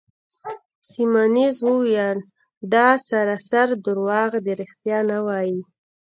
سیمونز وویل: دا سراسر درواغ دي، ریښتیا نه وایې.